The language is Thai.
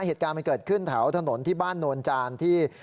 เหตุการณ์มันเกิดขึ้นแถวถนนที่บ้านโนนจานที่